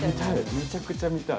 めちゃくちゃ見たい。